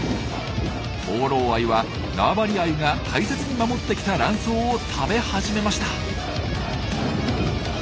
放浪アユは縄張りアユが大切に守ってきたラン藻を食べ始めました。